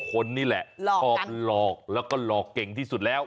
คนนี่แหละชอบหลอกแล้วก็หลอกเก่งที่สุดแล้ว